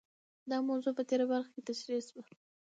دا موضوع په تېره برخه کې تشرېح شوه.